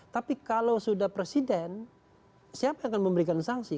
tapi kalau sudah presiden siapa yang akan memberikan sanksi